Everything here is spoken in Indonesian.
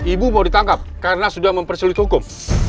ibu mau ditangkap karena sudah mempersulit hukum